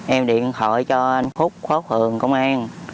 em điện thoại cho anh phúc khóa phường công an